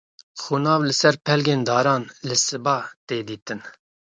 xûnav li sar pelgên daran li siba tê dîtin